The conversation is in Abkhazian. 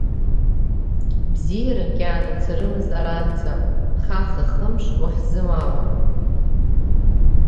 Бзиарак иаанацарымызт аранӡа, хаха-хымш уахьзымаауа…